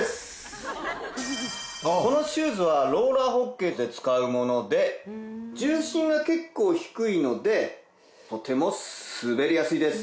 このシューズはローラーホッケーで使うもので重心が結構低いのでとても滑りやすいです。